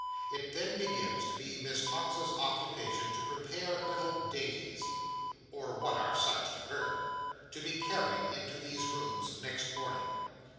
It then begins to be Miss Tox's occupation to prepare little dainties—or what are such to her—to be carried into these rooms next morning.